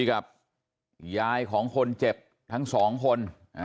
กับยายของคนเจ็บทั้งสองคน